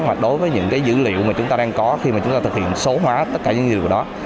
hoặc đối với những cái dữ liệu mà chúng ta đang có khi mà chúng ta thực hiện số hóa tất cả những dữ liệu của đó